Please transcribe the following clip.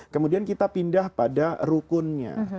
kemudian kita pindah pada rukunnya